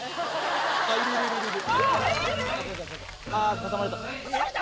挟まれた？